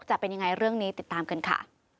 จะเป็นยังไงเรื่องนี้ติดตามกันค่ะ